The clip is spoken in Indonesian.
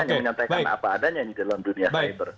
hanya menyampaikan apa adanya ini dalam dunia cyber